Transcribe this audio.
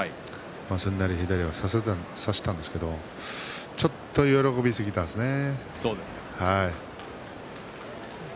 すんなり左を差したんですけどちょっと喜びすぎたんですね。